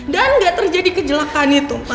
dan gak terjadi kecelakaan itu ma